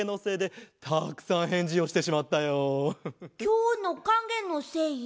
きょうのかげのせい？